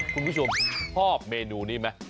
คุณผู้ชมชอบเมนูนี้ไหม